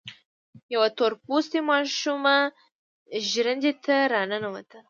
يوه تور پوستې ماشومه ژرندې ته را ننوته.